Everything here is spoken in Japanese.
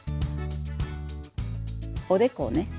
おでこね。